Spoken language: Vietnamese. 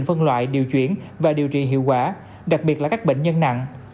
và điều trị hiệu quả đặc biệt là các bệnh nhân nặng